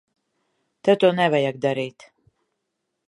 Tev to nevajag darīt.